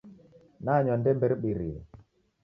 Nanywa ndembe ribirie